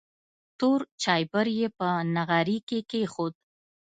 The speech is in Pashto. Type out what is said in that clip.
تور چایبر یې په نغري کې کېښود.